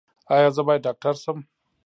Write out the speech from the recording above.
ایا زه باید ډاکټر شم؟